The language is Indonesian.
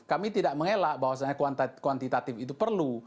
kami tidak mengelak bahwasannya kuantitatif itu perlu